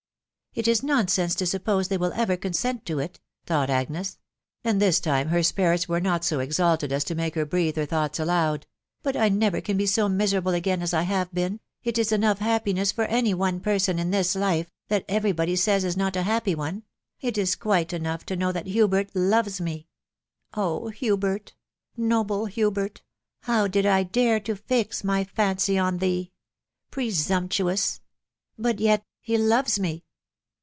"It is nonsense to 'suppose they will ever consent to it," thought Agnes ; and this time her spirits were not so exalted as to make her breathe her thoughts aloud ;" but I never can be so miserable again as I have been .... it is enough hap piness for any one person in this life .... that every body says is not a happy one .... it is quite enough to know that Hubert loves me. ... Oh Hubert !.... noble Hubert ! how did I dare to fix my fancy on thee ?.... Presumptuous !«... But yet he loves me